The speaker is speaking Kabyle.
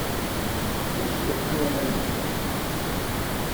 La ttfuḥun waman-a.